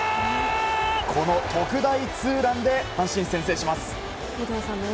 この特大ツーランで阪神、先制します。